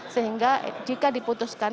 sehingga jika diputuskan